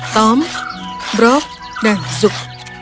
tom brok dan zub